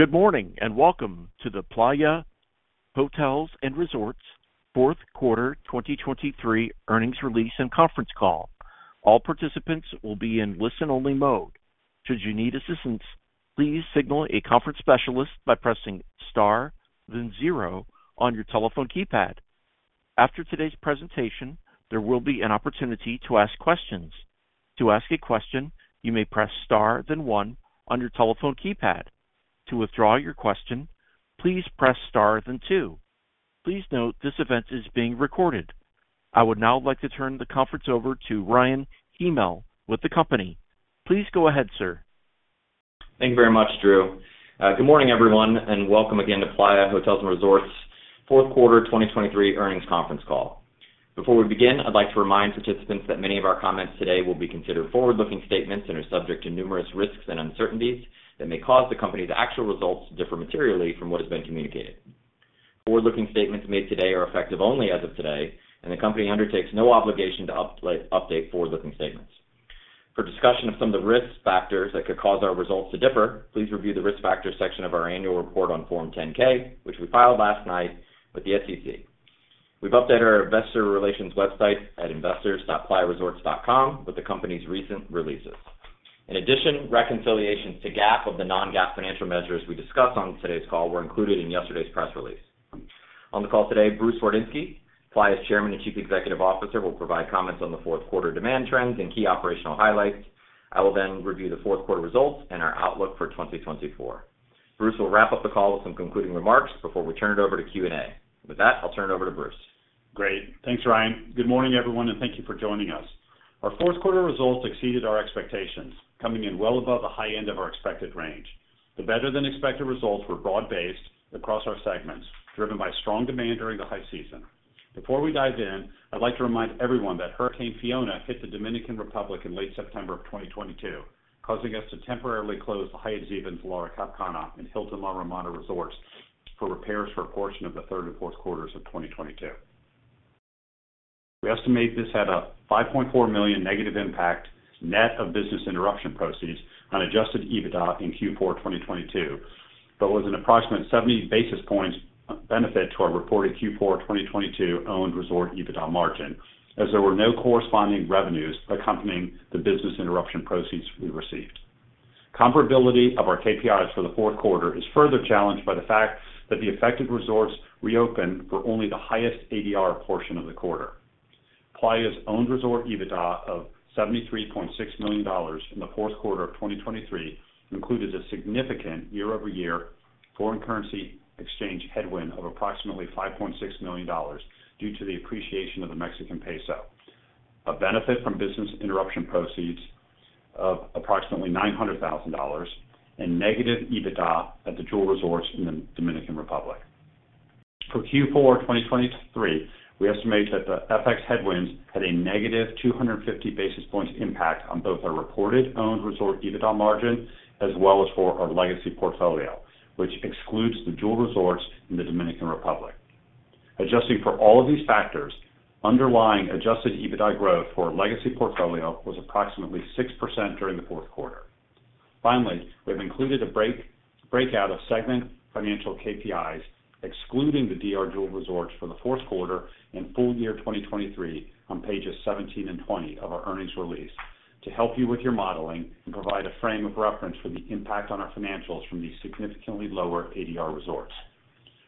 Good morning and welcome to the Playa Hotels & Resorts' fourth quarter 2023 earnings release and conference call. All participants will be in listen-only mode. Should you need assistance, please signal a conference specialist by pressing * then 0 on your telephone keypad. After today's presentation, there will be an opportunity to ask questions. To ask a question, you may press * then 1 on your telephone keypad. To withdraw your question, please press * then 2. Please note this event is being recorded. I would now like to turn the conference over to Ryan Hymel with the company. Please go ahead, sir. Thank you very much, Drew. Good morning everyone, and welcome again to Playa Hotels & Resorts' fourth quarter 2023 earnings conference call. Before we begin, I'd like to remind participants that many of our comments today will be considered forward-looking statements and are subject to numerous risks and uncertainties that may cause the company's actual results to differ materially from what has been communicated. Forward-looking statements made today are effective only as of today, and the company undertakes no obligation to update forward-looking statements. For discussion of some of the risk factors that could cause our results to differ, please review the risk factors section of our annual report on Form 10-K, which we filed last night with the SEC. We've updated our investor relations website at investors.playaresorts.com with the company's recent releases. In addition, reconciliations to GAAP of the non-GAAP financial measures we discussed on today's call were included in yesterday's press release. On the call today, Bruce Wardinski, Playa's Chairman and Chief Executive Officer, will provide comments on the fourth quarter demand trends and key operational highlights. I will then review the fourth quarter results and our outlook for 2024. Bruce will wrap up the call with some concluding remarks before we turn it over to Q&A. With that, I'll turn it over to Bruce. Great. Thanks, Ryan. Good morning everyone, and thank you for joining us. Our fourth quarter results exceeded our expectations, coming in well above the high end of our expected range. The better-than-expected results were broad-based across our segments, driven by strong demand during the high season. Before we dive in, I'd like to remind everyone that Hurricane Fiona hit the Dominican Republic in late September of 2022, causing us to temporarily close the Hyatt Ziva and Zilara Cap Cana and Hilton La Romana resorts for repairs for a portion of the third and fourth quarters of 2022. We estimate this had a $5.4 million negative impact net of business interruption proceeds on adjusted EBITDA in Q4 2022, but was an approximate 70 basis points benefit to our reported Q4 2022 owned resort EBITDA margin, as there were no corresponding revenues accompanying the business interruption proceeds we received. Comparability of our KPIs for the fourth quarter is further challenged by the fact that the affected resorts reopened for only the highest ADR portion of the quarter. Playa's owned resort EBITDA of $73.6 million in the fourth quarter of 2023 included a significant year-over-year foreign currency exchange headwind of approximately $5.6 million due to the appreciation of the Mexican peso, a benefit from business interruption proceeds of approximately $900,000, and negative EBITDA at the Jewel resorts in the Dominican Republic. For Q4 2023, we estimate that the FX headwinds had a negative 250 basis points impact on both our reported owned resort EBITDA margin as well as for our legacy portfolio, which excludes the Jewel resorts in the Dominican Republic. Adjusting for all of these factors, underlying adjusted EBITDA growth for our legacy portfolio was approximately 6% during the fourth quarter. Finally, we have included a breakout of segment financial KPIs excluding the DR Jewel resorts for the fourth quarter and full year 2023 on pages 17 and 20 of our earnings release to help you with your modeling and provide a frame of reference for the impact on our financials from these significantly lower ADR resorts.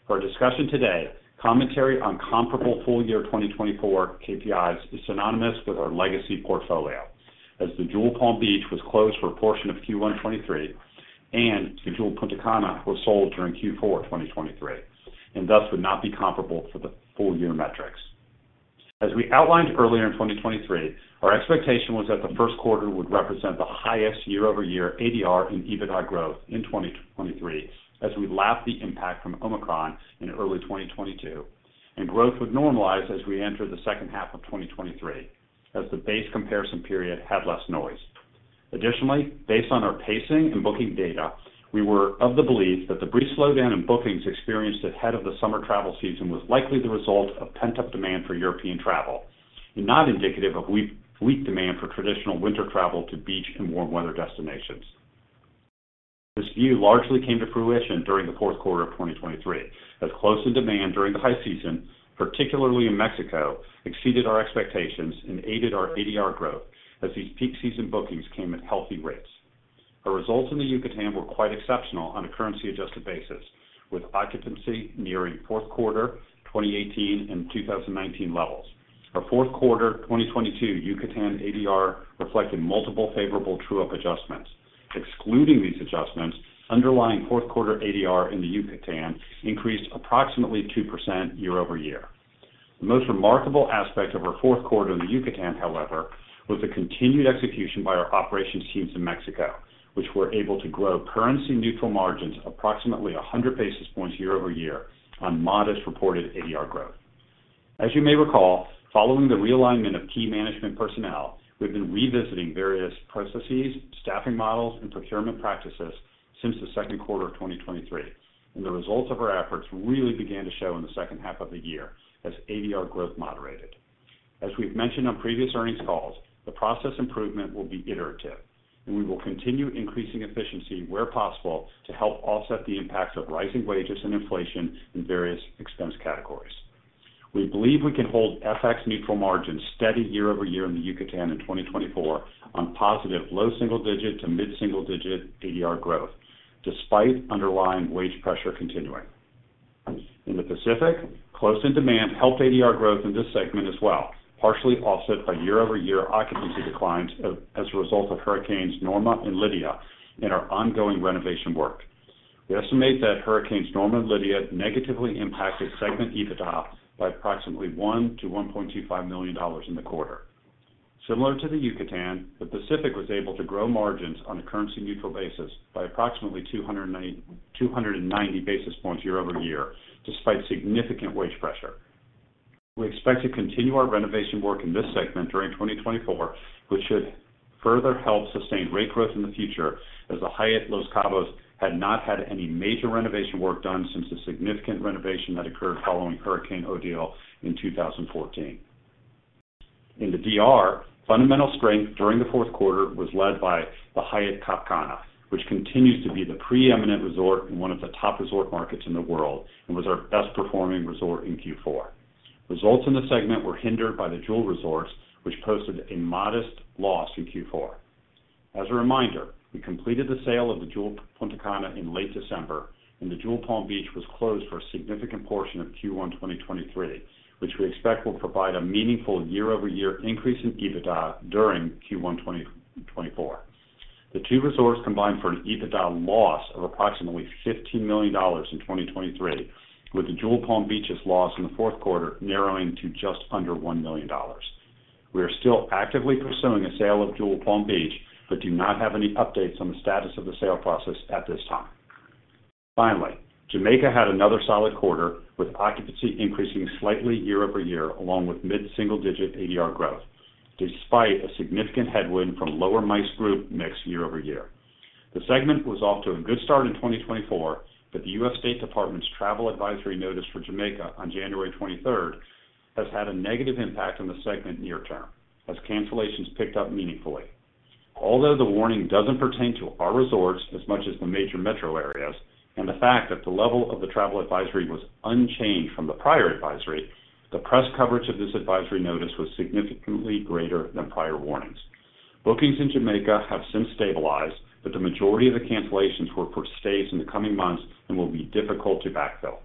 For our discussion today, commentary on comparable full year 2024 KPIs is synonymous with our legacy portfolio, as the Jewel Palm Beach was closed for a portion of Q1 2023 and the Jewel Punta Cana was sold during Q4 2023 and thus would not be comparable for the full year metrics. As we outlined earlier in 2023, our expectation was that the first quarter would represent the highest year-over-year ADR and EBITDA growth in 2023 as we lapped the impact from Omicron in early 2022, and growth would normalize as we entered the second half of 2023 as the base comparison period had less noise. Additionally, based on our pacing and booking data, we were of the belief that the brief slowdown in bookings experienced ahead of the summer travel season was likely the result of pent-up demand for European travel and not indicative of weak demand for traditional winter travel to beach and warm-weather destinations. This view largely came to fruition during the fourth quarter of 2023 as close-in demand during the high season, particularly in Mexico, exceeded our expectations and aided our ADR growth as these peak season bookings came at healthy rates. Our results in the Yucatan were quite exceptional on a currency-adjusted basis, with occupancy nearing fourth quarter 2018 and 2019 levels. Our fourth quarter 2022 Yucatan ADR reflected multiple favorable true-up adjustments. Excluding these adjustments, underlying fourth quarter ADR in the Yucatan increased approximately 2% year-over-year. The most remarkable aspect of our fourth quarter in the Yucatan, however, was the continued execution by our operations teams in Mexico, which were able to grow currency-neutral margins approximately 100 basis points year-over-year on modest reported ADR growth. As you may recall, following the realignment of key management personnel, we've been revisiting various processes, staffing models, and procurement practices since the second quarter of 2023, and the results of our efforts really began to show in the second half of the year as ADR growth moderated. As we've mentioned on previous earnings calls, the process improvement will be iterative, and we will continue increasing efficiency where possible to help offset the impacts of rising wages and inflation in various expense categories. We believe we can hold FX-neutral margins steady year-over-year in the Yucatan in 2024 on positive low-single digit to mid-single digit ADR growth despite underlying wage pressure continuing. In the Pacific, close in demand helped ADR growth in this segment as well, partially offset by year-over-year occupancy declines as a result of Hurricanes Norma and Lidia and our ongoing renovation work. We estimate that Hurricanes Norma and Lidia negatively impacted segment EBITDA by approximately $1 million-$1.25 million in the quarter. Similar to the Yucatan, the Pacific was able to grow margins on a currency-neutral basis by approximately 290 basis points year-over-year despite significant wage pressure. We expect to continue our renovation work in this segment during 2024, which should further help sustain rate growth in the future as the Hyatt Los Cabos had not had any major renovation work done since the significant renovation that occurred following Hurricane Odile in 2014. In the DR, fundamental strength during the fourth quarter was led by the Hyatt Cap Cana, which continues to be the preeminent resort in one of the top resort markets in the world and was our best-performing resort in Q4. Results in the segment were hindered by the Jewel resorts, which posted a modest loss in Q4. As a reminder, we completed the sale of the Jewel Punta Cana in late December, and the Jewel Palm Beach was closed for a significant portion of Q1 2023, which we expect will provide a meaningful year-over-year increase in EBITDA during Q1 2024. The two resorts combined for an EBITDA loss of approximately $15 million in 2023, with the Jewel Palm Beach's loss in the fourth quarter narrowing to just under $1 million. We are still actively pursuing a sale of Jewel Palm Beach but do not have any updates on the status of the sale process at this time. Finally, Jamaica had another solid quarter with occupancy increasing slightly year-over-year along with mid-single digit ADR growth despite a significant headwind from lower MICE group mix year-over-year. The segment was off to a good start in 2024, but the U.S. Department of State's travel advisory notice for Jamaica on January 23rd has had a negative impact on the segment near-term as cancellations picked up meaningfully. Although the warning doesn't pertain to our resorts as much as the major metro areas and the fact that the level of the travel advisory was unchanged from the prior advisory, the press coverage of this advisory notice was significantly greater than prior warnings. Bookings in Jamaica have since stabilized, but the majority of the cancellations were for stays in the coming months and will be difficult to backfill.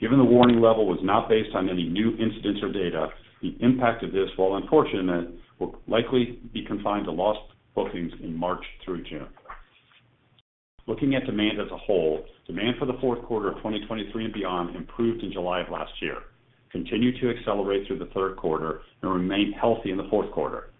Given the warning level was not based on any new incidents or data, the impact of this, while unfortunate, will likely be confined to lost bookings in March through June. Looking at demand as a whole, demand for the fourth quarter of 2023 and beyond improved in July of last year, continued to accelerate through the third quarter, and remained healthy in the fourth quarter.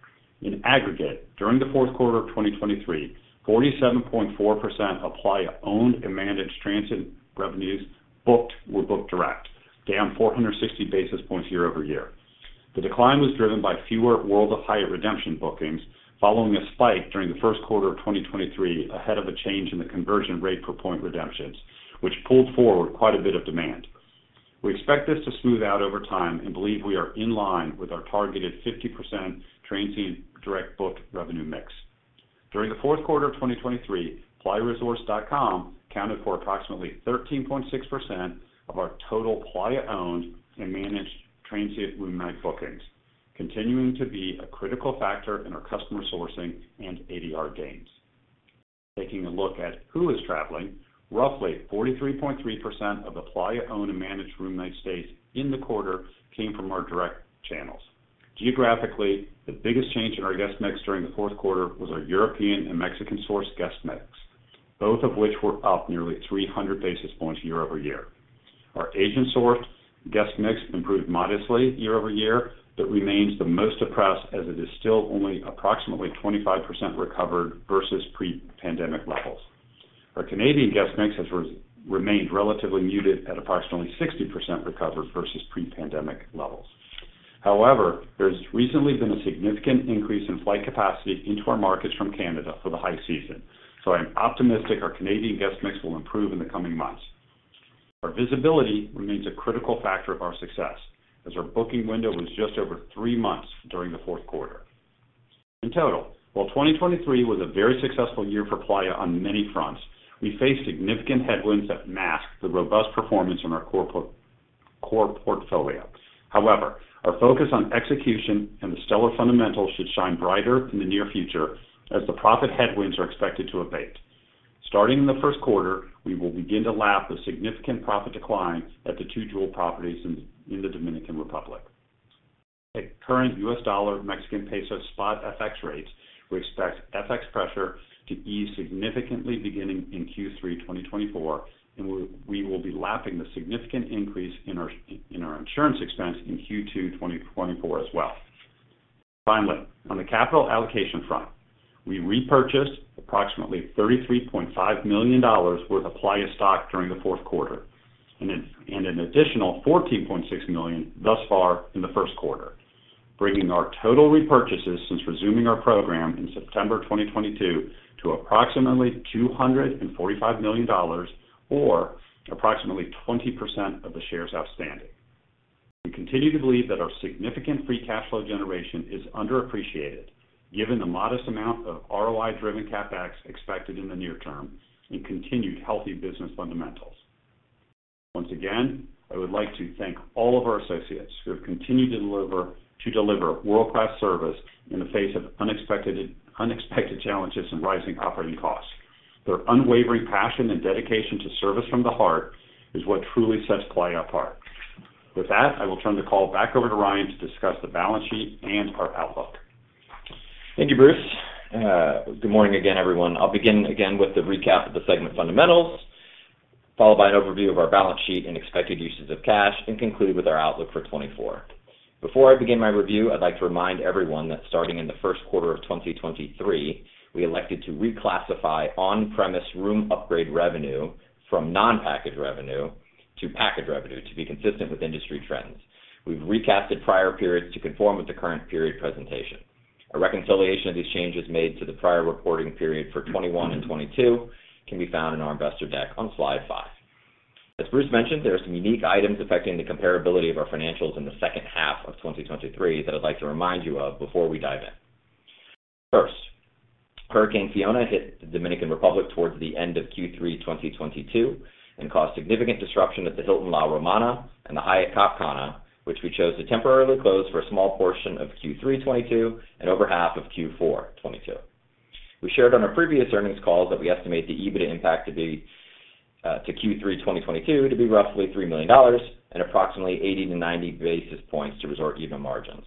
In aggregate, during the fourth quarter of 2023, 47.4% of Playa owned and managed transient revenues booked were booked direct, down 460 basis points year-over-year. The decline was driven by fewer World of Hyatt redemption bookings following a spike during the first quarter of 2023 ahead of a change in the conversion rate per point redemptions, which pulled forward quite a bit of demand. We expect this to smooth out over time and believe we are in line with our targeted 50% transient direct booked revenue mix. During the fourth quarter of 2023, playaresorts.com accounted for approximately 13.6% of our total Playa owned and managed transient room-night bookings, continuing to be a critical factor in our customer sourcing and ADR gains. Taking a look at who is traveling, roughly 43.3% of the Playa owned and managed room-night stays in the quarter came from our direct channels. Geographically, the biggest change in our guest mix during the fourth quarter was our European and Mexican-sourced guest mix, both of which were up nearly 300 basis points year-over-year. Our Asian-sourced guest mix improved modestly year-over-year but remains the most depressed as it is still only approximately 25% recovered versus pre-pandemic levels. Our Canadian guest mix has remained relatively muted at approximately 60% recovered versus pre-pandemic levels. However, there has recently been a significant increase in flight capacity into our markets from Canada for the high season, so I am optimistic our Canadian guest mix will improve in the coming months. Our visibility remains a critical factor of our success as our booking window was just over three months during the fourth quarter. In total, while 2023 was a very successful year for Playa on many fronts, we faced significant headwinds that masked the robust performance on our core portfolio. However, our focus on execution and the stellar fundamentals should shine brighter in the near future as the profit headwinds are expected to abate. Starting in the first quarter, we will begin to lap a significant profit decline at the two jewel properties in the Dominican Republic. At current U.S. dollar/Mexican peso spot FX rates, we expect FX pressure to ease significantly beginning in Q3 2024, and we will be lapping the significant increase in our insurance expense in Q2 2024 as well. Finally, on the capital allocation front, we repurchased approximately $33.5 million worth of Playa stock during the fourth quarter and an additional $14.6 million thus far in the first quarter, bringing our total repurchases since resuming our program in September 2022 to approximately $245 million or approximately 20% of the shares outstanding. We continue to believe that our significant free cash flow generation is underappreciated given the modest amount of ROI-driven CapEx expected in the near term and continued healthy business fundamentals. Once again, I would like to thank all of our associates who have continued to deliver world-class service in the face of unexpected challenges and rising operating costs. Their unwavering passion and dedication to service from the heart is what truly sets Playa apart. With that, I will turn the call back over to Ryan to discuss the balance sheet and our outlook. Thank you, Bruce. Good morning again, everyone. I'll begin again with the recap of the segment fundamentals, followed by an overview of our balance sheet and expected uses of cash, and conclude with our outlook for 2024. Before I begin my review, I'd like to remind everyone that starting in the first quarter of 2023, we elected to reclassify on-premise room upgrade revenue from non-package revenue to package revenue to be consistent with industry trends. We've recasted prior periods to conform with the current period presentation. A reconciliation of these changes made to the prior reporting period for 2021 and 2022 can be found in our investor deck on slide five. As Bruce mentioned, there are some unique items affecting the comparability of our financials in the second half of 2023 that I'd like to remind you of before we dive in. First, Hurricane Fiona hit the Dominican Republic towards the end of Q3 2022 and caused significant disruption at the Hilton La Romana and the Hyatt Cap Cana, which we chose to temporarily close for a small portion of Q3 2022 and over half of Q4 2022. We shared on our previous earnings calls that we estimate the EBITDA impact to Q3 2022 to be roughly $3 million and approximately 80-90 basis points to resort EBITDA margins,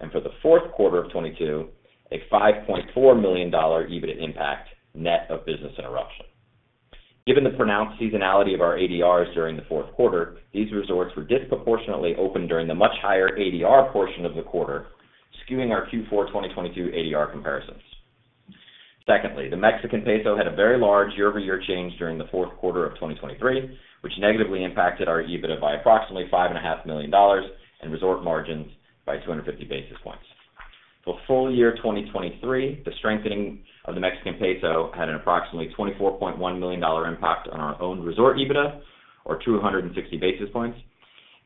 and for the fourth quarter of 2022, a $5.4 million EBITDA impact net of business interruption. Given the pronounced seasonality of our ADRs during the fourth quarter, these resorts were disproportionately open during the much higher ADR portion of the quarter, skewing our Q4 2022 ADR comparisons. Secondly, the Mexican peso had a very large year-over-year change during the fourth quarter of 2023, which negatively impacted our EBITDA by approximately $5.5 million and resort margins by 250 basis points. For full year 2023, the strengthening of the Mexican peso had an approximately $24.1 million impact on our own resort EBITDA, or 260 basis points,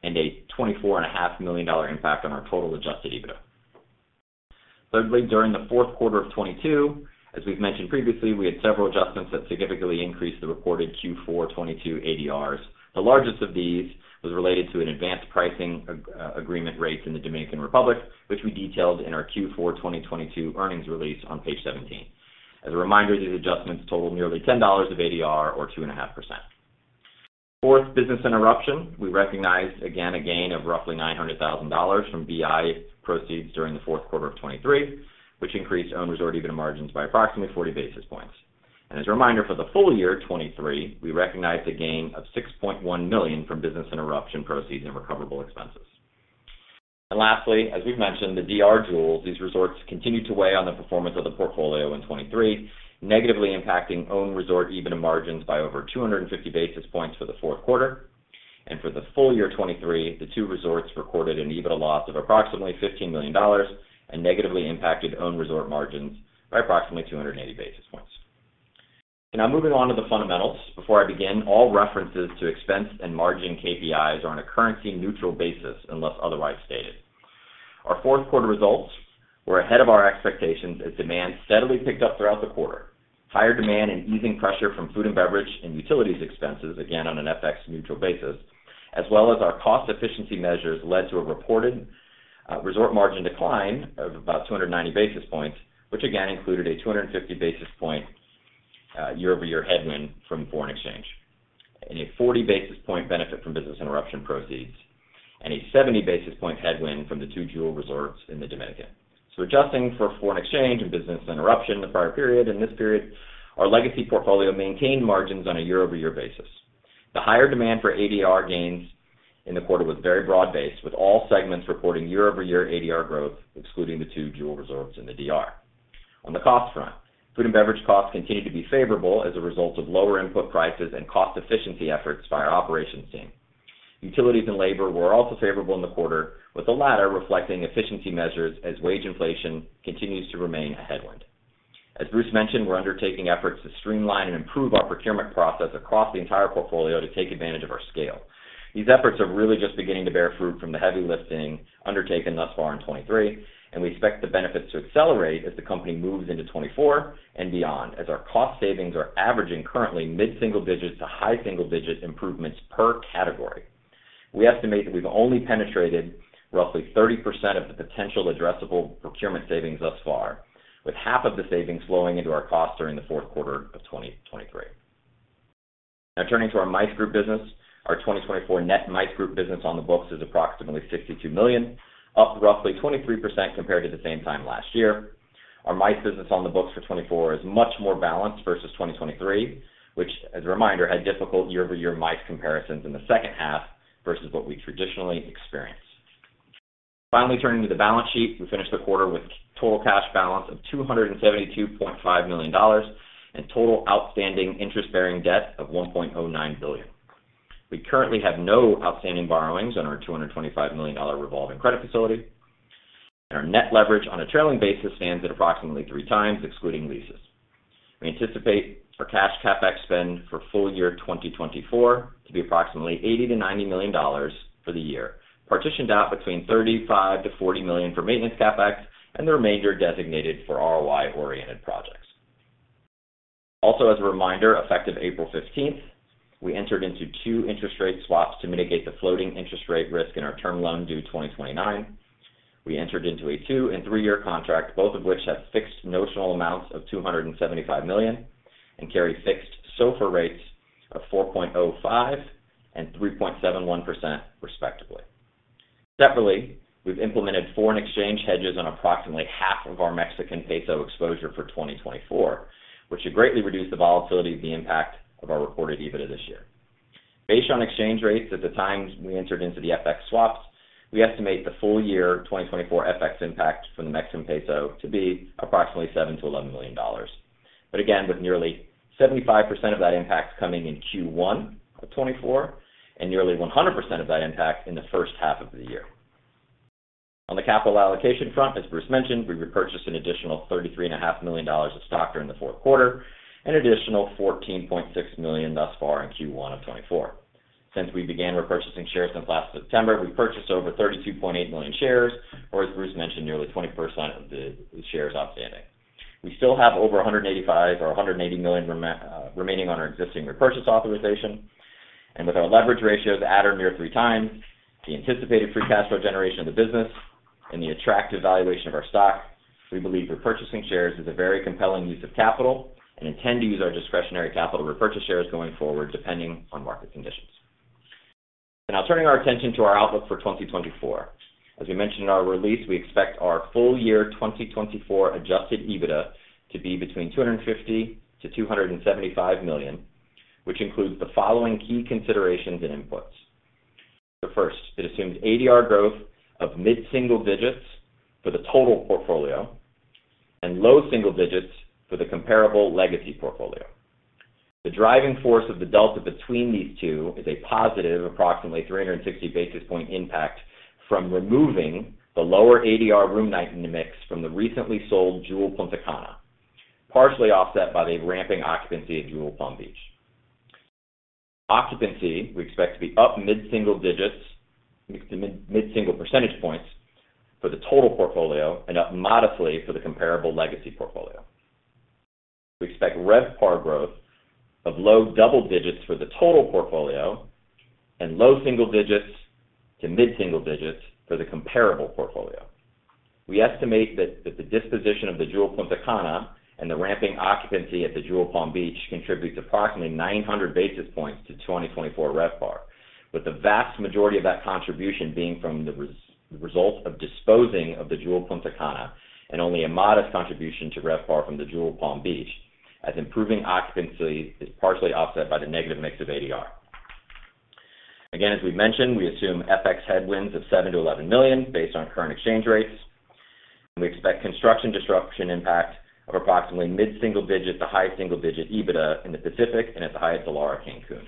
and a $24.5 million impact on our total adjusted EBITDA. Thirdly, during the fourth quarter of 2022, as we've mentioned previously, we had several adjustments that significantly increased the reported Q4 2022 ADRs. The largest of these was related to an advanced pricing agreement rate in the Dominican Republic, which we detailed in our Q4 2022 earnings release on page 17. As a reminder, these adjustments totaled nearly $10 of ADR, or 2.5%. Fourth, business interruption, we recognized again a gain of roughly $900,000 from BI proceeds during the fourth quarter of 2023, which increased own resort EBITDA margins by approximately 40 basis points. As a reminder for the full year 2023, we recognized a gain of $6.1 million from business interruption proceeds and recoverable expenses. Lastly, as we've mentioned, the DR Jewels, these resorts continued to weigh on the performance of the portfolio in 2023, negatively impacting own resort EBITDA margins by over 250 basis points for the fourth quarter. For the full year 2023, the two resorts recorded an EBITDA loss of approximately $15 million and negatively impacted own resort margins by approximately 280 basis points. Now, moving on to the fundamentals, before I begin, all references to expense and margin KPIs are on a currency-neutral basis unless otherwise stated. Our fourth quarter results were ahead of our expectations as demand steadily picked up throughout the quarter. Higher demand and easing pressure from food and beverage and utilities expenses, again on an FX-neutral basis, as well as our cost efficiency measures led to a reported resort margin decline of about 290 basis points, which again included a 250 basis point year-over-year headwind from foreign exchange, and a 40 basis point benefit from business interruption proceeds, and a 70 basis point headwind from the two Jewel resorts in the Dominican. So adjusting for foreign exchange and business interruption the prior period and this period, our legacy portfolio maintained margins on a year-over-year basis. The higher demand for ADR gains in the quarter was very broad-based, with all segments reporting year-over-year ADR growth excluding the two Jewel resorts in the DR. On the cost front, food and beverage costs continued to be favorable as a result of lower input prices and cost efficiency efforts by our operations team. Utilities and labor were also favorable in the quarter, with the latter reflecting efficiency measures as wage inflation continues to remain a headwind. As Bruce mentioned, we're undertaking efforts to streamline and improve our procurement process across the entire portfolio to take advantage of our scale. These efforts are really just beginning to bear fruit from the heavy lifting undertaken thus far in 2023, and we expect the benefits to accelerate as the company moves into 2024 and beyond, as our cost savings are averaging currently mid-single digit to high-single digit improvements per category. We estimate that we've only penetrated roughly 30% of the potential addressable procurement savings thus far, with half of the savings flowing into our costs during the fourth quarter of 2023. Now, turning to our MICE group business, our 2024 net MICE group business on the books is approximately $62 million, up roughly 23% compared to the same time last year. Our MICE business on the books for 2024 is much more balanced versus 2023, which, as a reminder, had difficult year-over-year MICE comparisons in the second half versus what we traditionally experience. Finally, turning to the balance sheet, we finished the quarter with total cash balance of $272.5 million and total outstanding interest-bearing debt of $1.09 billion. We currently have no outstanding borrowings on our $225 million revolving credit facility, and our net leverage on a trailing basis stands at approximately three times excluding leases. We anticipate our cash CapEx spend for full year 2024 to be approximately $80-$90 million for the year, partitioned out between $35-$40 million for maintenance CapEx and the remainder designated for ROI-oriented projects. Also, as a reminder, effective April 15th, we entered into two interest rate swaps to mitigate the floating interest rate risk in our term loan due 2029. We entered into a two- and three-year contract, both of which have fixed notional amounts of $275 million and carry fixed SOFR rates of 4.05% and 3.71%, respectively. Separately, we've implemented foreign exchange hedges on approximately half of our Mexican peso exposure for 2024, which should greatly reduce the volatility of the impact of our reported EBITDA this year. Based on exchange rates at the time we entered into the FX swaps, we estimate the full year 2024 FX impact from the Mexican peso to be approximately $7 million-$11 million, but again with nearly 75% of that impact coming in Q1 of 2024 and nearly 100% of that impact in the first half of the year. On the capital allocation front, as Bruce mentioned, we repurchased an additional $33.5 million of stock during the fourth quarter and an additional $14.6 million thus far in Q1 of 2024. Since we began repurchasing shares since last September, we've purchased over 32.8 million shares, or as Bruce mentioned, nearly 20% of the shares outstanding. We still have over $185 or $180 million remaining on our existing repurchase authorization, and with our leverage ratios at or near three times the anticipated free cash flow generation of the business and the attractive valuation of our stock, we believe repurchasing shares is a very compelling use of capital and intend to use our discretionary capital to repurchase shares going forward depending on market conditions. Now, turning our attention to our outlook for 2024. As we mentioned in our release, we expect our full year 2024 Adjusted EBITDA to be between $250-$275 million, which includes the following key considerations and inputs. First, it assumes ADR growth of mid-single digits for the total portfolio and low-single digits for the comparable legacy portfolio. The driving force of the delta between these two is a positive approximately 360 basis point impact from removing the lower ADR room night in the mix from the recently sold Jewel Punta Cana, partially offset by the ramping occupancy at Jewel Palm Beach. Occupancy we expect to be up mid-single digits to mid-single percentage points for the total portfolio and up modestly for the comparable legacy portfolio. We expect RevPAR growth of low double digits for the total portfolio and low single digits to mid-single digits for the comparable portfolio. We estimate that the disposition of the Jewel Punta Cana and the ramping occupancy at the Jewel Palm Beach contribute to approximately 900 basis points to 2024 RevPAR, with the vast majority of that contribution being from the result of disposing of the Jewel Punta Cana and only a modest contribution to RevPAR from the Jewel Palm Beach, as improving occupancy is partially offset by the negative mix of ADR. Again, as we mentioned, we assume FX headwinds of $7-$11 million based on current exchange rates, and we expect construction disruption impact of approximately mid-single-digit to high-single-digit EBITDA in the Pacific and at the Hyatt Zilara Cancun.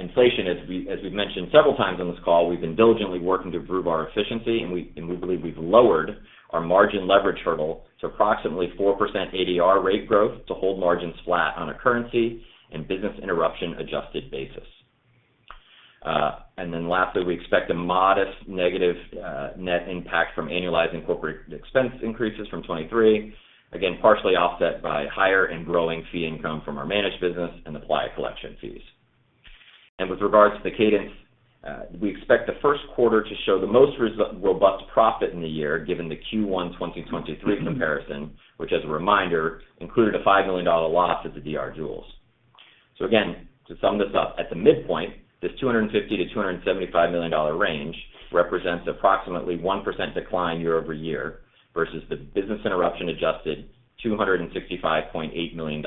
Inflation, as we've mentioned several times on this call, we've been diligently working to improve our efficiency, and we believe we've lowered our margin leverage hurdle to approximately 4% ADR rate growth to hold margins flat on a currency and business interruption adjusted basis. Then lastly, we expect a modest negative net impact from annualizing corporate expense increases from 2023, again partially offset by higher and growing fee income from our managed business and the Playa Collection fees. With regards to the cadence, we expect the first quarter to show the most robust profit in the year given the Q1 2023 comparison, which, as a reminder, included a $5 million loss at the DR Jewels. So again, to sum this up, at the midpoint, this $250-$275 million range represents approximately 1% decline year-over-year versus the business interruption adjusted $265.8 million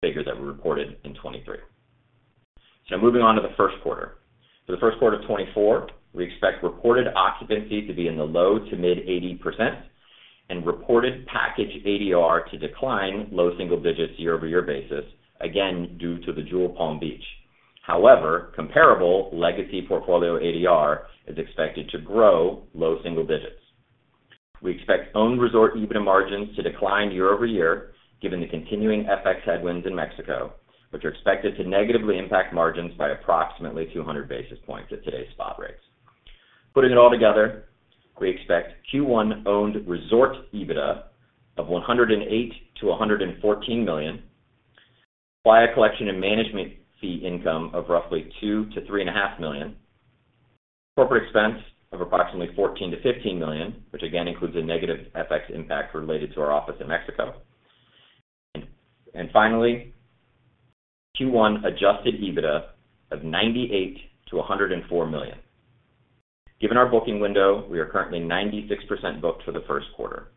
figure that we reported in 2023. So moving on to the first quarter. For the first quarter of 2024, we expect reported occupancy to be in the low to mid-80% and reported package ADR to decline low single digits year-over-year basis, again due to the Jewel Palm Beach. However, comparable legacy portfolio ADR is expected to grow low single digits. We expect own resort EBITDA margins to decline year-over-year given the continuing FX headwinds in Mexico, which are expected to negatively impact margins by approximately 200 basis points at today's spot rates. Putting it all together, we expect Q1 owned resort EBITDA of $108-$114 million, Playa Collection and management fee income of roughly $2-$3.5 million, corporate expense of approximately $14-$15 million, which again includes a negative FX impact related to our office in Mexico, and finally, Q1 adjusted EBITDA of $98-$104 million. Given our booking window, we are currently 96% booked for the first quarter.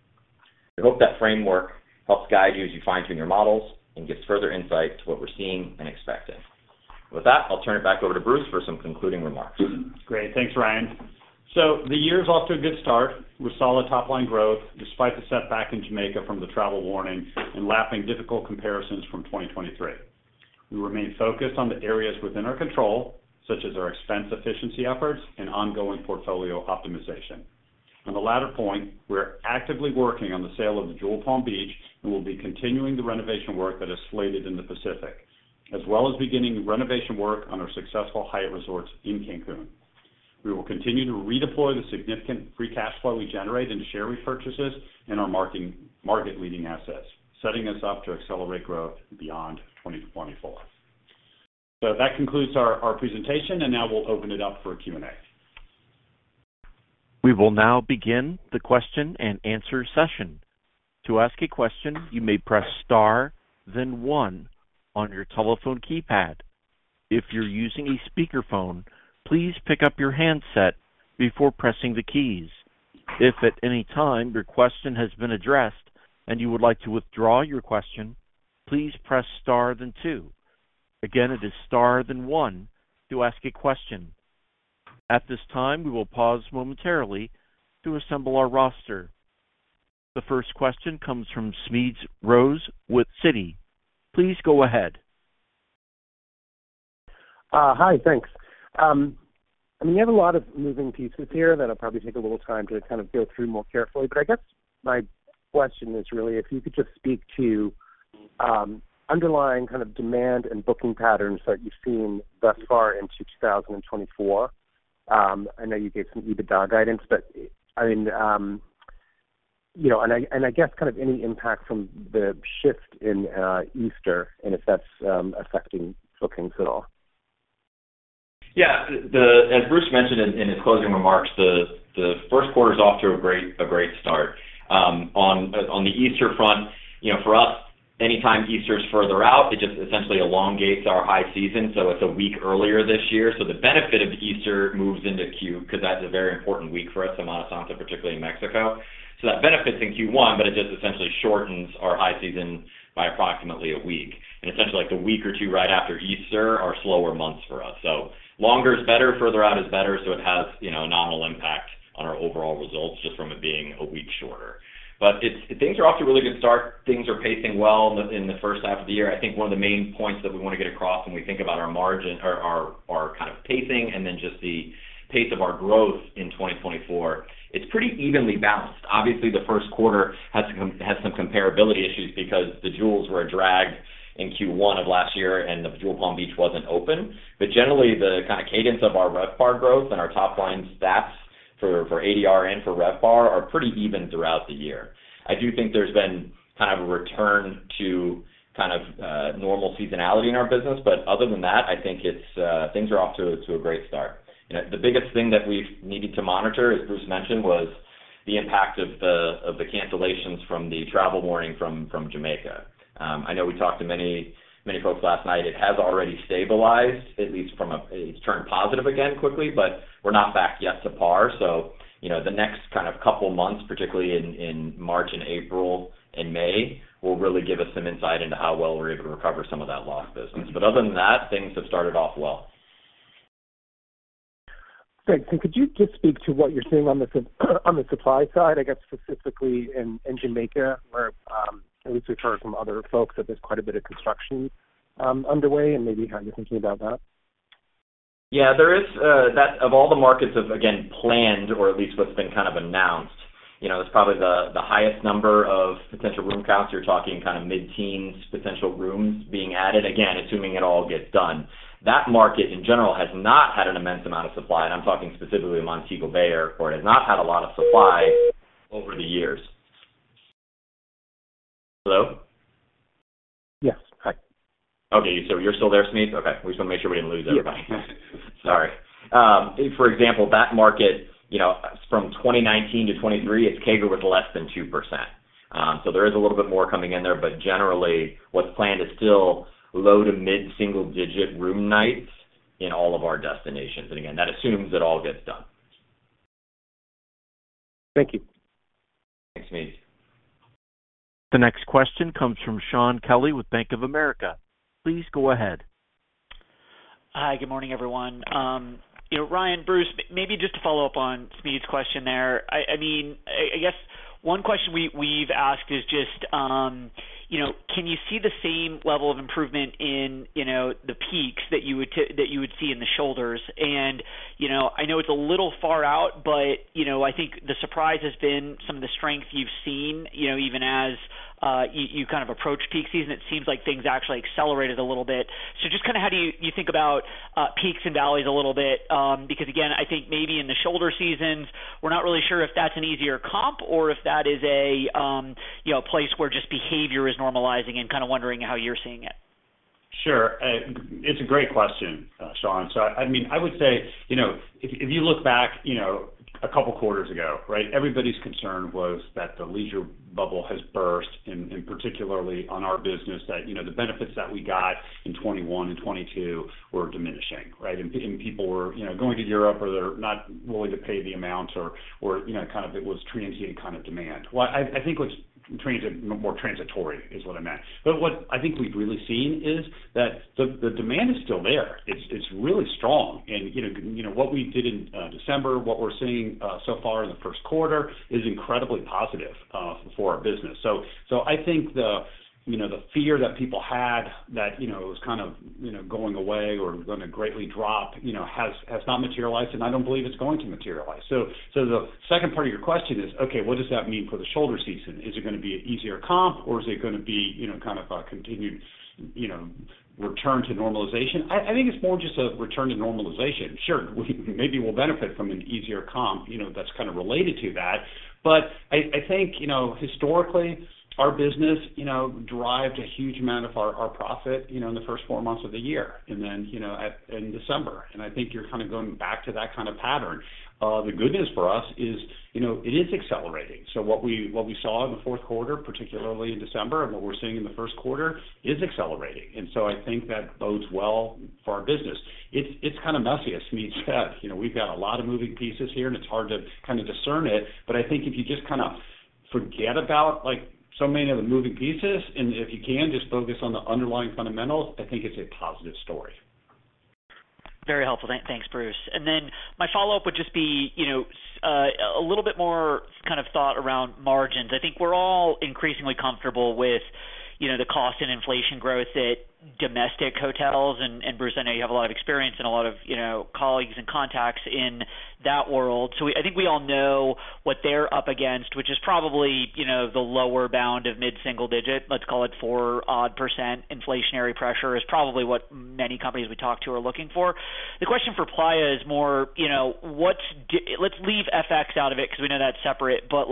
We hope that framework helps guide you as you fine-tune your models and gives further insight to what we're seeing and expecting. With that, I'll turn it back over to Bruce for some concluding remarks. Great. Thanks, Ryan. So the year's off to a good start. We saw a top-line growth despite the setback in Jamaica from the travel warning and lapping difficult comparisons from 2023. We remain focused on the areas within our control, such as our expense efficiency efforts and ongoing portfolio optimization. On the latter point, we're actively working on the sale of the Jewel Palm Beach and will be continuing the renovation work that is slated in the Pacific, as well as beginning renovation work on our successful Hyatt resorts in Cancun. We will continue to redeploy the significant free cash flow we generate into share repurchases and our market-leading assets, setting us up to accelerate growth beyond 2024. So that concludes our presentation, and now we'll open it up for Q&A. We will now begin the question and answer session. To ask a question, you may press star, then one on your telephone keypad. If you're using a speakerphone, please pick up your handset before pressing the keys. If at any time your question has been addressed and you would like to withdraw your question, please press star, then two. Again, it is star, then one to ask a question. At this time, we will pause momentarily to assemble our roster. The first question comes from Smedes Rose with Citi. Please go ahead. Hi. Thanks. I mean, you have a lot of moving pieces here that I'll probably take a little time to kind of go through more carefully, but I guess my question is really if you could just speak to underlying kind of demand and booking patterns that you've seen thus far into 2024. I know you gave some EBITDA guidance, but I mean and I guess kind of any impact from the shift in Easter and if that's affecting bookings at all. Yeah. As Bruce mentioned in his closing remarks, the first quarter's off to a great start. On the Easter front, for us, anytime Easter's further out, it just essentially elongates our high season, so it's a week earlier this year. So the benefit of Easter moves into Q because that's a very important week for us in Semana Santa, particularly in Mexico. So that benefits in Q1, but it just essentially shortens our high season by approximately a week. And essentially, the week or two right after Easter are slower months for us. So longer is better. Further out is better. So it has a nominal impact on our overall results just from it being a week shorter. But things are off to a really good start. Things are pacing well in the first half of the year. I think one of the main points that we want to get across when we think about our margin or our kind of pacing and then just the pace of our growth in 2024, it's pretty evenly balanced. Obviously, the first quarter has some comparability issues because the Jewels were dragged in Q1 of last year and the Jewel Palm Beach wasn't open. But generally, the kind of cadence of our RevPAR growth and our top-line stats for ADR and for RevPAR are pretty even throughout the year. I do think there's been kind of a return to kind of normal seasonality in our business, but other than that, I think things are off to a great start. The biggest thing that we've needed to monitor, as Bruce mentioned, was the impact of the cancellations from the travel warning from Jamaica. I know we talked to many folks last night. It has already stabilized, at least from a, it's turned positive again quickly, but we're not back yet to par. So the next kind of couple of months, particularly in March and April and May, will really give us some insight into how well we're able to recover some of that lost business. But other than that, things have started off well. Great. Could you just speak to what you're seeing on the supply side, I guess specifically in Jamaica, or at least we've heard from other folks that there's quite a bit of construction underway and maybe how you're thinking about that? Yeah. Of all the markets of, again, planned or at least what's been kind of announced, it's probably the highest number of potential room counts. You're talking kind of mid-teens potential rooms being added, again, assuming it all gets done. That market, in general, has not had an immense amount of supply, and I'm talking specifically of Montego Bay Airport, has not had a lot of supply over the years. Hello? Yes. Hi. Okay. So you're still there, Smedes? Okay. We just want to make sure we didn't lose everybody. Sorry. For example, that market, from 2019 to 2023, it's CAGR with less than 2%. So there is a little bit more coming in there, but generally, what's planned is still low to mid-single digit room nights in all of our destinations. And again, that assumes it all gets done. Thank you. Thanks, Smedes. The next question comes from Shaun Kelley with Bank of America. Please go ahead. Hi. Good morning, everyone. Ryan, Bruce, maybe just to follow up on Smedes' question there. I mean, I guess one question we've asked is just, can you see the same level of improvement in the peaks that you would see in the shoulders? I know it's a little far out, but I think the surprise has been some of the strength you've seen even as you kind of approach peak season. It seems like things actually accelerated a little bit. Just kind of how do you think about peaks and valleys a little bit? Because again, I think maybe in the shoulder seasons, we're not really sure if that's an easier comp or if that is a place where just behavior is normalizing and kind of wondering how you're seeing it. Sure. It's a great question, Shaun. So I mean, I would say if you look back a couple of quarters ago, right, everybody's concern was that the leisure bubble has burst, and particularly on our business, that the benefits that we got in 2021 and 2022 were diminishing, right? And people were going to Europe or they're not willing to pay the amount or kind of it was transient kind of demand. Well, I think what's more transitory is what I meant. But what I think we've really seen is that the demand is still there. It's really strong. And what we did in December, what we're seeing so far in the first quarter is incredibly positive for our business. So I think the fear that people had that it was kind of going away or going to greatly drop has not materialized, and I don't believe it's going to materialize. So the second part of your question is, okay, what does that mean for the shoulder season? Is it going to be an easier comp, or is it going to be kind of a continued return to normalization? I think it's more just a return to normalization. Sure. Maybe we'll benefit from an easier comp that's kind of related to that. But I think historically, our business derived a huge amount of our profit in the first four months of the year and then in December. And I think you're kind of going back to that kind of pattern. The good news for us is it is accelerating. So what we saw in the fourth quarter, particularly in December, and what we're seeing in the first quarter is accelerating. And so I think that bodes well for our business. It's kind of messy, as Smedes said. We've got a lot of moving pieces here, and it's hard to kind of discern it. But I think if you just kind of forget about so many of the moving pieces, and if you can, just focus on the underlying fundamentals, I think it's a positive story. Very helpful. Thanks, Bruce. Then my follow-up would just be a little bit more kind of thought around margins. I think we're all increasingly comfortable with the cost and inflation growth at domestic hotels. Bruce, I know you have a lot of experience and a lot of colleagues and contacts in that world. So I think we all know what they're up against, which is probably the lower bound of mid-single digit. Let's call it 4-odd% inflationary pressure, which is probably what many companies we talk to are looking for. The question for Playa is more, let's leave FX out of it because we know that's separate, but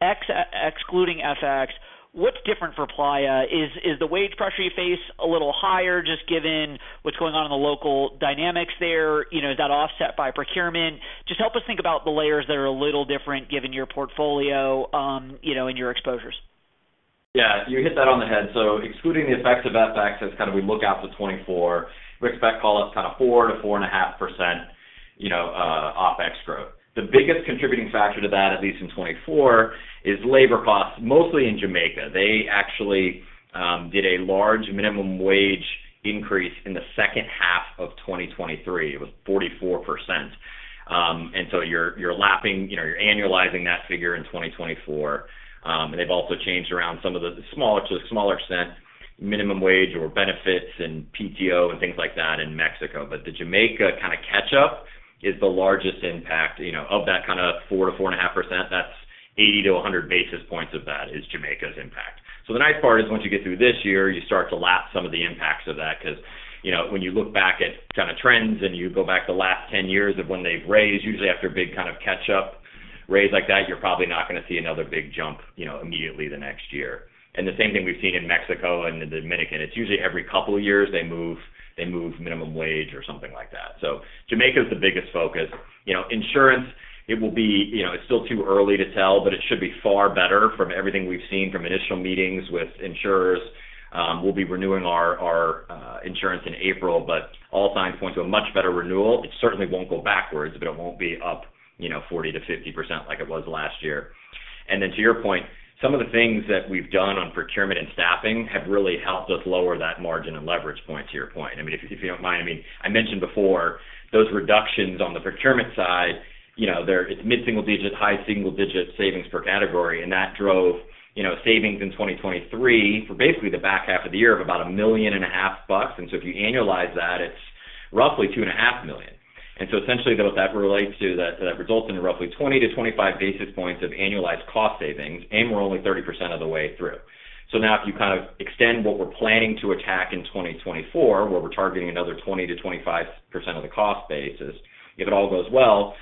excluding FX, what's different for Playa? Is the wage pressure you face a little higher just given what's going on in the local dynamics there? Is that offset by procurement? Just help us think about the layers that are a little different given your portfolio and your exposures. Yeah. You hit that on the head. So excluding the effects of FX, that's kind of what we look out to 2024. We expect, call it, kind of 4%-4.5% OpEx growth. The biggest contributing factor to that, at least in 2024, is labor costs, mostly in Jamaica. They actually did a large minimum wage increase in the second half of 2023. It was 44%. And so you're lapping, you're annualizing that figure in 2024. And they've also changed around some of them to a smaller extent, minimum wage or benefits and PTO and things like that in Mexico. But the Jamaica kind of catch-up is the largest impact of that kind of 4%-4.5%. That's 80-100 basis points of that is Jamaica's impact. So the nice part is once you get through this year, you start to lap some of the impacts of that because when you look back at kind of trends and you go back the last 10 years of when they've raised, usually after a big kind of catch-up raise like that, you're probably not going to see another big jump immediately the next year. And the same thing we've seen in Mexico and in Dominican. It's usually every couple of years they move minimum wage or something like that. So Jamaica's the biggest focus. Insurance, it will be, it's still too early to tell, but it should be far better from everything we've seen from initial meetings with insurers. We'll be renewing our insurance in April, but all signs point to a much better renewal. It certainly won't go backwards, but it won't be up 40%-50% like it was last year. And then to your point, some of the things that we've done on procurement and staffing have really helped us lower that margin and leverage point, to your point. I mean, if you don't mind, I mean, I mentioned before, those reductions on the procurement side, it's mid-single digit, high-single digit savings per category, and that drove savings in 2023 for basically the back half of the year of about $1.5 million. And so if you annualize that, it's roughly $2.5 million. And so essentially, what that relates to, that results in roughly 20-25 basis points of annualized cost savings, and we're only 30% of the way through. So now if you kind of extend what we're planning to attack in 2024, where we're targeting another 20%-25% of the cost basis, if it all goes well,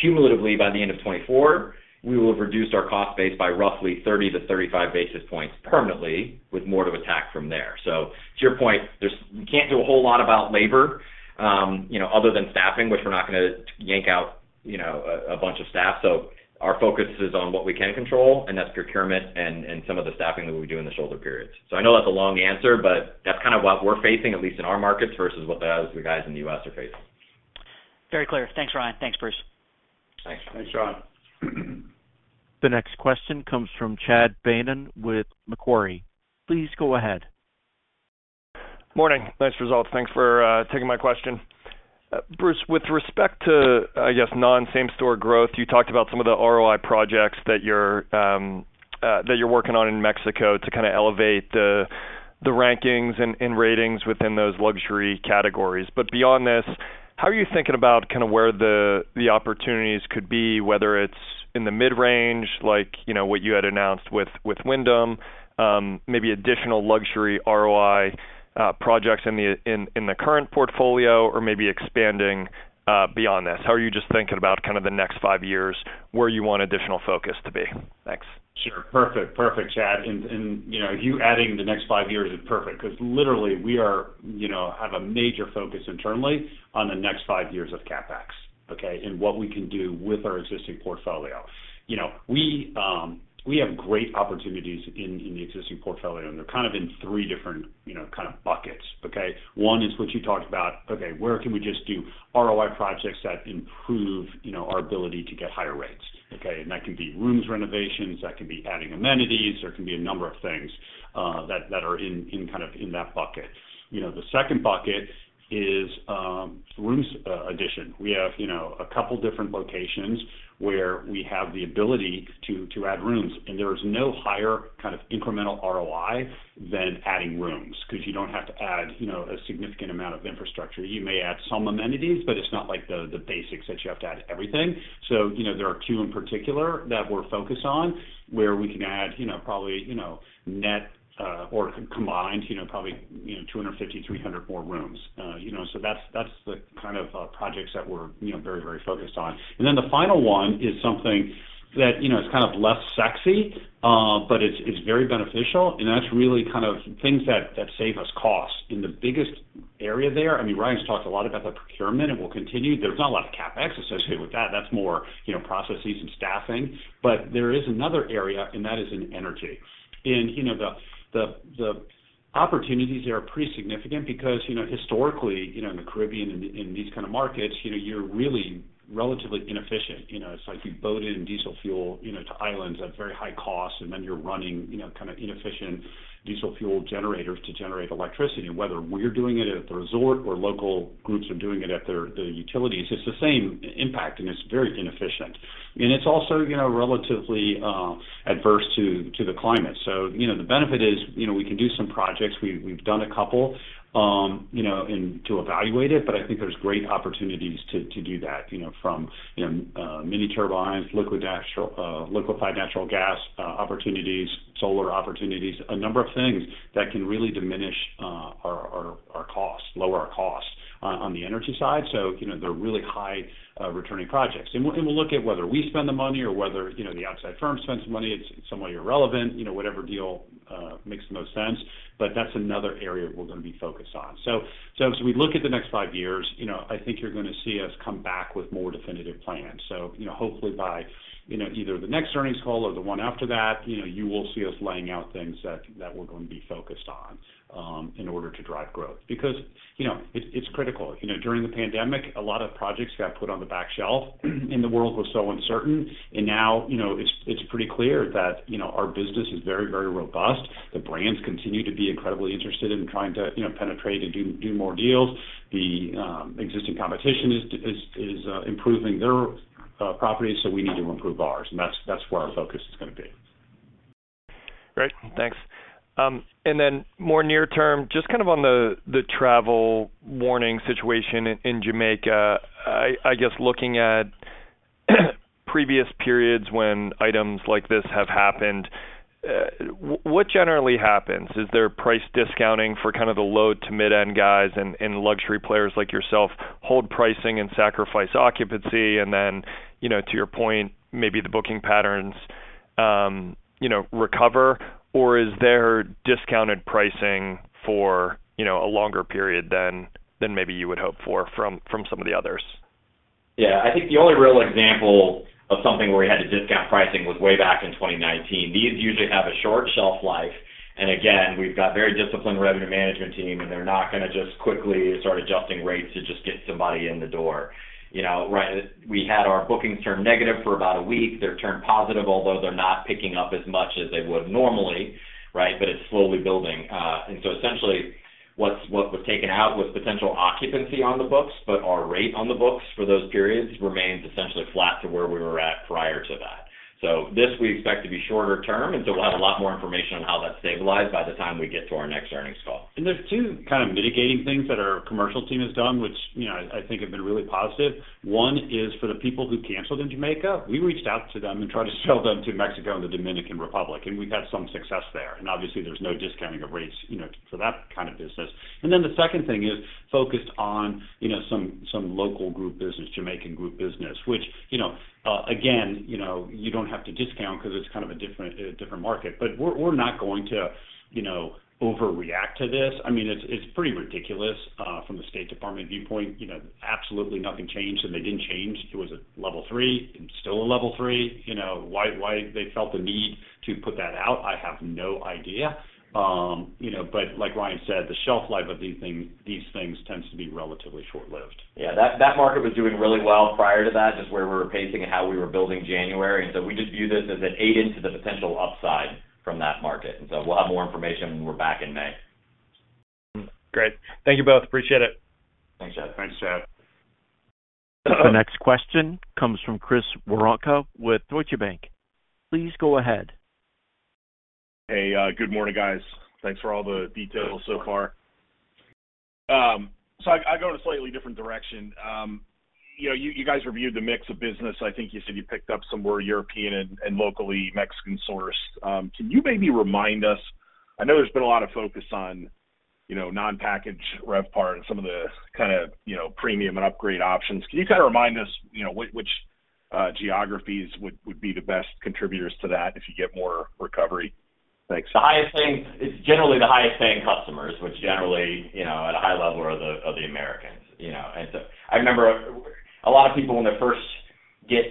cumulatively, by the end of 2024, we will have reduced our cost base by roughly 30-35 basis points permanently with more to attack from there. So to your point, we can't do a whole lot about labor other than staffing, which we're not going to yank out a bunch of staff. So our focus is on what we can control, and that's procurement and some of the staffing that we do in the shoulder periods. So I know that's a long answer, but that's kind of what we're facing, at least in our markets, versus what the guys in the US are facing. Very clear. Thanks, Ryan. Thanks, Bruce. Thanks. Thanks, Sean. The next question comes from Chad Beynon with Macquarie. Please go ahead. Morning. Nice results. Thanks for taking my question. Bruce, with respect to, I guess, non-same-store growth, you talked about some of the ROI projects that you're working on in Mexico to kind of elevate the rankings and ratings within those luxury categories. But beyond this, how are you thinking about kind of where the opportunities could be, whether it's in the mid-range, like what you had announced with Wyndham, maybe additional luxury ROI projects in the current portfolio, or maybe expanding beyond this? How are you just thinking about kind of the next five years, where you want additional focus to be? Thanks. Sure. Perfect. Perfect, Chad. And you adding the next five years is perfect because literally, we have a major focus internally on the next five years of CapEx, okay, and what we can do with our existing portfolio. We have great opportunities in the existing portfolio, and they're kind of in three different kind of buckets, okay? One is what you talked about, okay, where can we just do ROI projects that improve our ability to get higher rates? Okay? And that can be rooms renovations. That can be adding amenities. There can be a number of things that are kind of in that bucket. The second bucket is rooms addition. We have a couple of different locations where we have the ability to add rooms, and there is no higher kind of incremental ROI than adding rooms because you don't have to add a significant amount of infrastructure. You may add some amenities, but it's not like the basics that you have to add everything. So there are two in particular that we're focused on where we can add probably net or combined, probably 250-300 more rooms. So that's the kind of projects that we're very, very focused on. And then the final one is something that is kind of less sexy, but it's very beneficial, and that's really kind of things that save us costs. In the biggest area there, I mean, Ryan's talked a lot about the procurement, and we'll continue. There's not a lot of CapEx associated with that. That's more processes and staffing. But there is another area, and that is in energy. And the opportunities there are pretty significant because historically, in the Caribbean and these kind of markets, you're really relatively inefficient. It's like you boat in diesel fuel to islands at very high costs, and then you're running kind of inefficient diesel fuel generators to generate electricity. Whether we're doing it at the resort or local groups are doing it at the utilities, it's the same impact, and it's very inefficient. It's also relatively adverse to the climate. The benefit is we can do some projects. We've done a couple to evaluate it, but I think there's great opportunities to do that from mini turbines, liquefied natural gas opportunities, solar opportunities, a number of things that can really diminish our costs, lower our costs on the energy side. They're really high-returning projects. We'll look at whether we spend the money or whether the outside firm spends the money. It's somewhat irrelevant. Whatever deal makes the most sense. That's another area we're going to be focused on. As we look at the next five years, I think you're going to see us come back with more definitive plans. Hopefully, by either the next earnings call or the one after that, you will see us laying out things that we're going to be focused on in order to drive growth because it's critical. During the pandemic, a lot of projects got put on the back shelf, and the world was so uncertain. Now it's pretty clear that our business is very, very robust. The brands continue to be incredibly interested in trying to penetrate and do more deals. The existing competition is improving their properties, so we need to improve ours. That's where our focus is going to be. Great. Thanks. And then more near term, just kind of on the travel warning situation in Jamaica, I guess looking at previous periods when items like this have happened, what generally happens? Is there price discounting for kind of the low to mid-end guys and luxury players like yourself hold pricing and sacrifice occupancy? And then, to your point, maybe the booking patterns recover, or is there discounted pricing for a longer period than maybe you would hope for from some of the others? Yeah. I think the only real example of something where we had to discount pricing was way back in 2019. These usually have a short shelf life. And again, we've got a very disciplined revenue management team, and they're not going to just quickly start adjusting rates to just get somebody in the door. We had our bookings turn negative for about a week. They've turned positive, although they're not picking up as much as they would normally, right? But it's slowly building. And so essentially, what was taken out was potential occupancy on the books, but our rate on the books for those periods remains essentially flat to where we were at prior to that. So this we expect to be shorter term, and so we'll have a lot more information on how that stabilized by the time we get to our next earnings call. There's two kind of mitigating things that our commercial team has done, which I think have been really positive. One is for the people who canceled in Jamaica, we reached out to them and tried to sell them to Mexico and the Dominican Republic, and we've had some success there. And obviously, there's no discounting of rates for that kind of business. And then the second thing is focused on some local group business, Jamaican group business, which again, you don't have to discount because it's kind of a different market. But we're not going to overreact to this. I mean, it's pretty ridiculous from the State Department viewpoint. Absolutely nothing changed, and they didn't change. It was a level three. It's still a level three. Why they felt the need to put that out, I have no idea. But like Ryan said, the shelf life of these things tends to be relatively short-lived. Yeah. That market was doing really well prior to that, just where we were pacing and how we were building January. And so we just view this as an eating into the potential upside from that market. And so we'll have more information when we're back in May. Great. Thank you both. Appreciate it. Thanks, Chad. Thanks, Chad. The next question comes from Chris Woronka with Deutsche Bank. Please go ahead. Hey. Good morning, guys. Thanks for all the details so far. So I'll go in a slightly different direction. You guys reviewed the mix of business. I think you said you picked up some more European and locally Mexican-sourced. Can you maybe remind us? I know there's been a lot of focus on non-package RevPAR and some of the kind of premium and upgrade options. Can you kind of remind us which geographies would be the best contributors to that if you get more recovery? Thanks. The highest paying, it's generally the highest paying customers, which generally, at a high level, are the Americans. And so I remember a lot of people, when they first get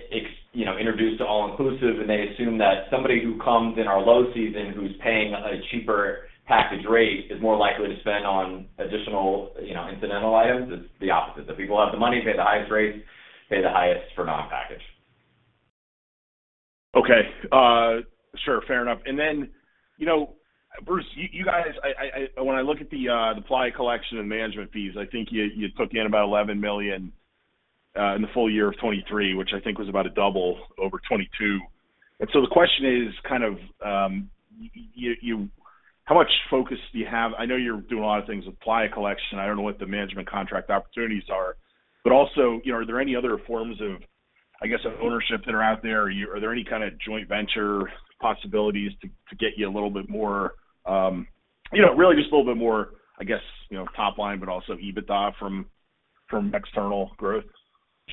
introduced to all-inclusive, and they assume that somebody who comes in our low season, who's paying a cheaper package rate, is more likely to spend on additional incidental items. It's the opposite. The people have the money, pay the highest rates, pay the highest for non-package. Okay. Sure. Fair enough. And then, Bruce, you guys when I look at the Playa Collection and management fees, I think you took in about $11 million in the full year of 2023, which I think was about a double over 2022. And so the question is kind of how much focus do you have? I know you're doing a lot of things with Playa Collection. I don't know what the management contract opportunities are. But also, are there any other forms of, I guess, ownership that are out there? Are there any kind of joint venture possibilities to get you a little bit more really, just a little bit more, I guess, top line, but also EBITDA from external growth?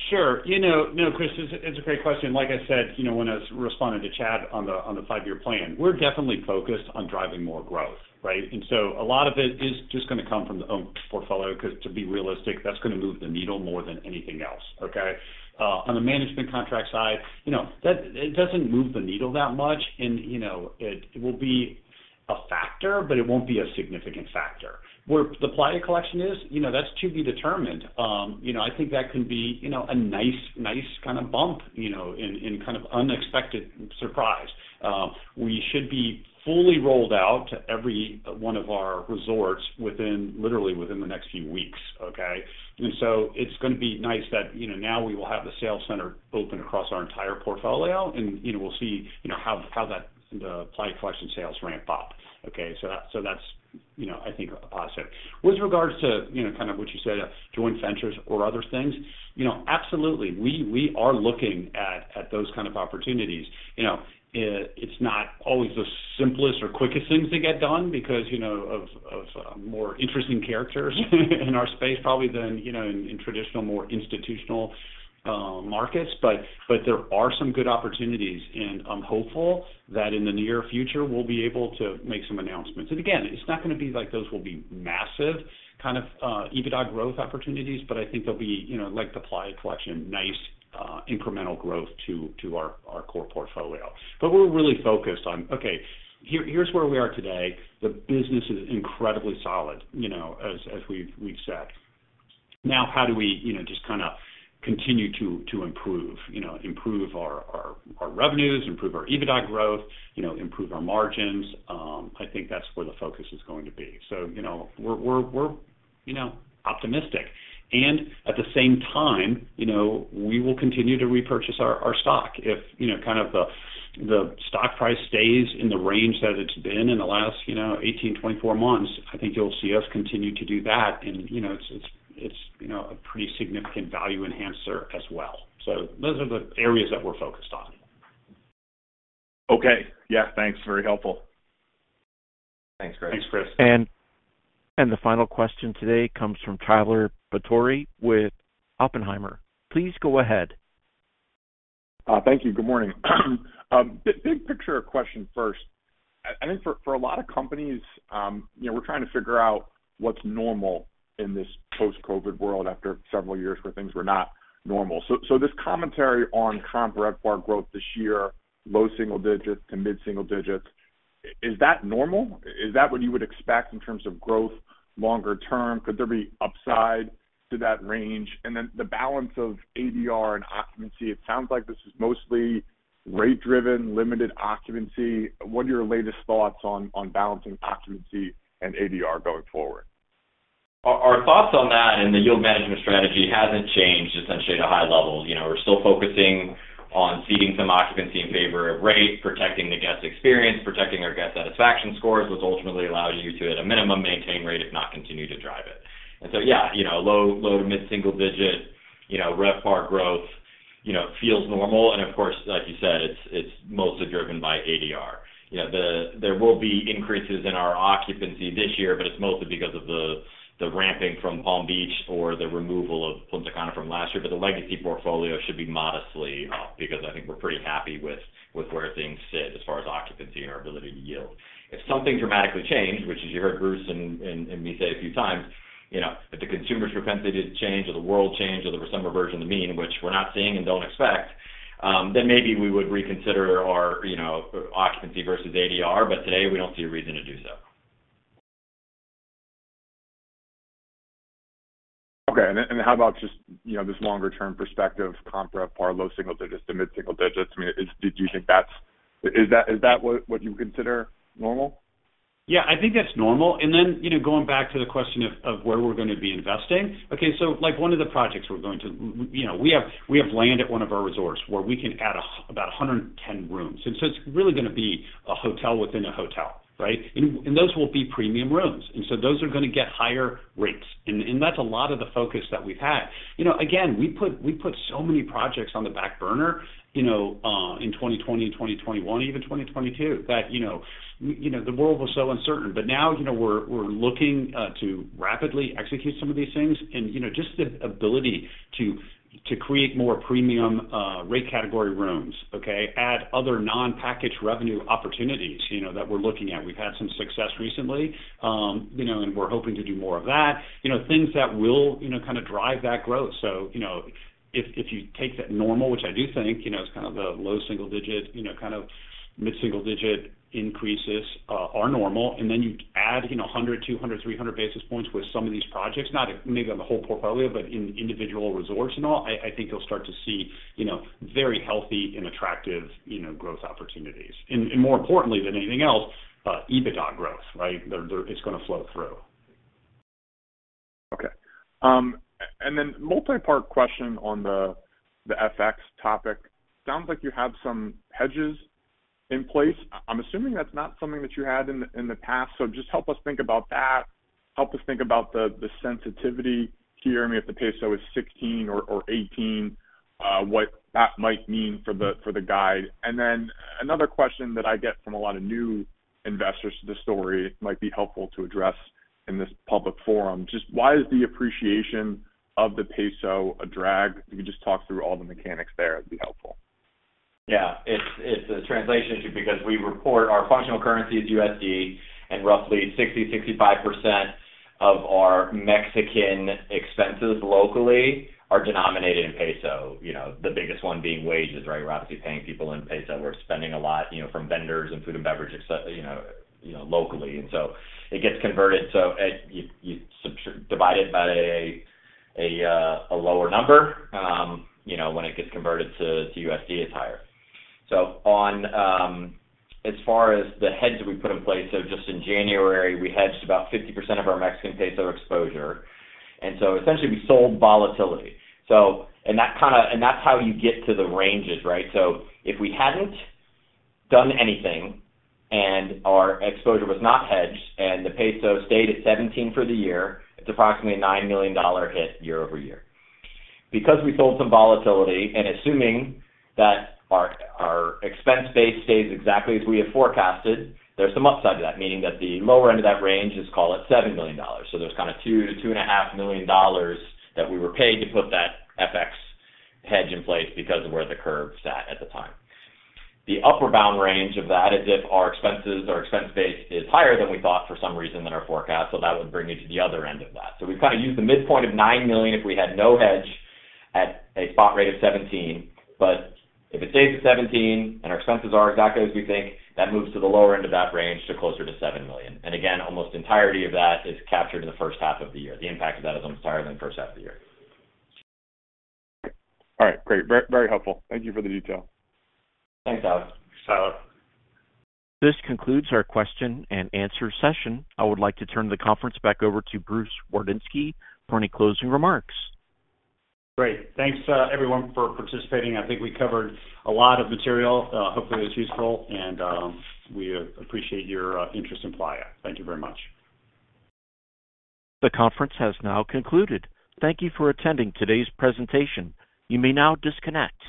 Sure. No, Chris, it's a great question. Like I said, when I responded to Chad on the five-year plan, we're definitely focused on driving more growth, right? And so a lot of it is just going to come from the owned portfolio because, to be realistic, that's going to move the needle more than anything else, okay? On the management contract side, it doesn't move the needle that much. And it will be a factor, but it won't be a significant factor. Where the Playa Collection is, that's to be determined. I think that can be a nice kind of bump and kind of unexpected surprise. We should be fully rolled out to every one of our resorts literally within the next few weeks, okay? And so it's going to be nice that now we will have the sales center open across our entire portfolio, and we'll see how the Playa Collection sales ramp up, okay? So that's, I think, a positive. With regards to kind of what you said, joint ventures or other things, absolutely, we are looking at those kind of opportunities. It's not always the simplest or quickest things to get done because of more interesting characters in our space, probably than in traditional, more institutional markets. But there are some good opportunities, and I'm hopeful that in the near future, we'll be able to make some announcements. And again, it's not going to be like those will be massive kind of EBITDA growth opportunities, but I think they'll be like the Playa Collection, nice incremental growth to our core portfolio. But we're really focused on, "Okay. Here's where we are today. The business is incredibly solid," as we've said. Now, how do we just kind of continue to improve? Improve our revenues, improve our EBITDA growth, improve our margins? I think that's where the focus is going to be. So we're optimistic. And at the same time, we will continue to repurchase our stock. If kind of the stock price stays in the range that it's been in the last 18, 24 months, I think you'll see us continue to do that. And it's a pretty significant value enhancer as well. So those are the areas that we're focused on. Okay. Yeah. Thanks. Very helpful. Thanks, Chris. Thanks, Chris. The final question today comes from Tyler Batory with Oppenheimer. Please go ahead. Thank you. Good morning. Big picture question first. I think for a lot of companies, we're trying to figure out what's normal in this post-COVID world after several years where things were not normal. So this commentary on comp RevPAR growth this year, low single digits to mid-single digits, is that normal? Is that what you would expect in terms of growth longer term? Could there be upside to that range? And then the balance of ADR and occupancy, it sounds like this is mostly rate-driven, limited occupancy. What are your latest thoughts on balancing occupancy and ADR going forward? Our thoughts on that and the yield management strategy hasn't changed, essentially, at a high level. We're still focusing on ceding some occupancy in favor of rate, protecting the guest experience, protecting our guest satisfaction scores, which ultimately allows you to, at a minimum, maintain rate, if not continue to drive it. And so yeah, low- to mid-single-digit RevPAR growth feels normal. And of course, like you said, it's mostly driven by ADR. There will be increases in our occupancy this year, but it's mostly because of the ramping from Palm Beach or the removal of Punta Cana from last year. But the legacy portfolio should be modestly up because I think we're pretty happy with where things sit as far as occupancy and our ability to yield. If something dramatically changed, which as you heard Bruce and me say a few times, if the consumer's propensity to change or the world change or the some reversion to the mean, which we're not seeing and don't expect, then maybe we would reconsider our occupancy versus ADR. But today, we don't see a reason to do so. Okay. And how about just this longer-term perspective, comp RevPAR, low single digits to mid-single digits? I mean, do you think that's, is that what you consider normal? Yeah. I think that's normal. And then going back to the question of where we're going to be investing, okay, so one of the projects we're going to have land at one of our resorts where we can add about 110 rooms. And so it's really going to be a hotel within a hotel, right? And those will be premium rooms. And so those are going to get higher rates. And that's a lot of the focus that we've had. Again, we put so many projects on the back burner in 2020, 2021, even 2022 that the world was so uncertain. But now we're looking to rapidly execute some of these things and just the ability to create more premium rate category rooms, okay, add other non-package revenue opportunities that we're looking at. We've had some success recently, and we're hoping to do more of that, things that will kind of drive that growth. So if you take that normal, which I do think is kind of the low single digit, kind of mid-single digit increases are normal, and then you add 100, 200, 300 basis points with some of these projects, not maybe on the whole portfolio, but in individual resorts and all, I think you'll start to see very healthy and attractive growth opportunities. And more importantly than anything else, EBITDA growth, right? It's going to flow through. Okay. And then multi-part question on the FX topic. Sounds like you have some hedges in place. I'm assuming that's not something that you had in the past. So just help us think about that. Help us think about the sensitivity here. I mean, if the peso is 16 or 18, what that might mean for the guide. And then another question that I get from a lot of new investors, the story might be helpful to address in this public forum. Just why is the appreciation of the peso a drag? If you could just talk through all the mechanics there, it'd be helpful. Yeah. It's a translation issue because we report our functional currency is USD, and roughly 60%-65% of our Mexican expenses locally are denominated in peso, the biggest one being wages, right? We're obviously paying people in peso. We're spending a lot from vendors and food and beverage locally. And so it gets converted. So you divide it by a lower number. When it gets converted to USD, it's higher. So as far as the hedge that we put in place, so just in January, we hedged about 50% of our Mexican peso exposure. And so essentially, we sold volatility. And that's how you get to the ranges, right? So if we hadn't done anything and our exposure was not hedged and the peso stayed at 17 for the year, it's approximately a $9 million hit year-over-year. Because we sold some volatility and assuming that our expense base stays exactly as we have forecasted, there's some upside to that, meaning that the lower end of that range, just call it $7 million. So there's kind of $2 million-$2.5 million that we were paid to put that FX hedge in place because of where the curve sat at the time. The upward bound range of that is if our expense base is higher than we thought for some reason than our forecast. So that would bring you to the other end of that. So we've kind of used the midpoint of $9 million if we had no hedge at a spot rate of 17. But if it stays at 17 and our expenses are exactly as we think, that moves to the lower end of that range to closer to $7 million. Again, almost entirety of that is captured in the first half of the year. The impact of that is almost higher than the first half of the year. All right. Great. Very helpful. Thank you for the detail. Thanks, Alex. This concludes our question and answer session. I would like to turn the conference back over to Bruce Wardinski for any closing remarks. Great. Thanks, everyone, for participating. I think we covered a lot of material. Hopefully, it was useful. We appreciate your interest in Playa. Thank you very much. The conference has now concluded. Thank you for attending today's presentation. You may now disconnect.